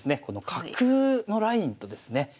この角のラインとですね